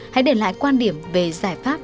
hãy để lại quan điểm về giải pháp